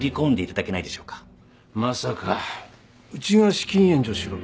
まさかうちが資金援助しろと？